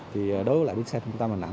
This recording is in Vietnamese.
thì đối với lại bến xe trung tâm đà nẵng